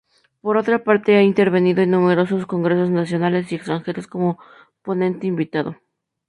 Por otra parte, ha intervenido en numerosos congresos nacionales y extranjeros como ponente invitado.